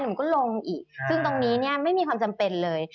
หนูก็ลงอีกซึ่งตรงนี้เนี่ยไม่มีความจำเป็นเลย